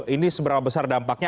ini seberapa besar dampaknya